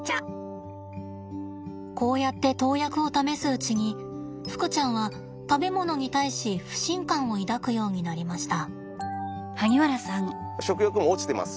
こうやって投薬を試すうちにふくちゃんは食べ物に対し不信感を抱くようになりました。